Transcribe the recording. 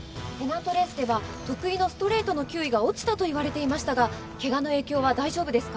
ペナントレースでは得意のストレートの球威が落ちたと言われていましたがケガの影響は大丈夫ですか？